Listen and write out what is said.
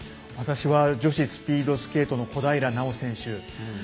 私は女子スピードスケートの小平奈緒選手。